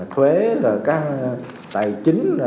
thuế tài chính